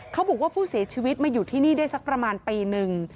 เขาบอกว่าผู้เสียชีวิตมาอยู่ที่นี่ได้สักประมาณปีหนึ่ง